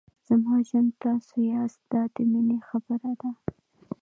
زما ژوند تاسو یاست دا د مینې خبره ده.